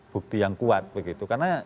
bukti yang kuat begitu karena